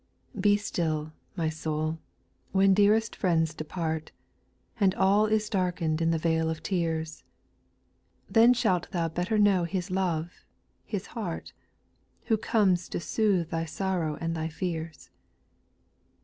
8. Be still, my soul I when dearest friends depart, And all is darkened in the vale of tears ; Then shalt thou better know His love, His heart. Who comes to sooth thy sorrow and thy fears.